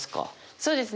そうですね